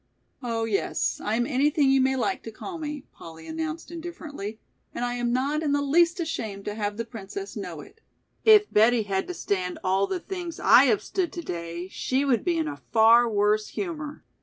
"Oh, yes, I am anything you may like to call me," Polly announced indifferently, "and I am not in the least ashamed to have 'The Princess' know it. If Betty had to stand all the things I have stood to day, she would be in a far worse humor.